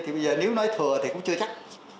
thì bây giờ nếu nói thừa thì cũng chưa chắc